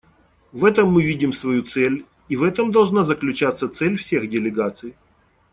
В этом мы видим свою цель и в этом должна заключаться цель всех делегаций.